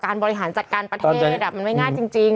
บริหารจัดการประเทศมันไม่ง่ายจริง